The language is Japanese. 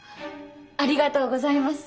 ありがとうございます。